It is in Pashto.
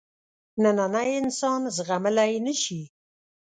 نننی انسان زغملای نه شي.